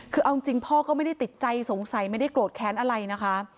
คือเอาจริงพ่อก็ไม่ได้ติดใจสงสัยไม่ได้โกรธแค้นอะไรนะคะ